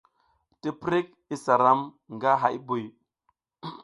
Tiprik isa ram nga hay buy.